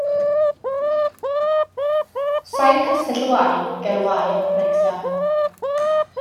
Saif Castell y Waun ger y Waun, Wrecsam.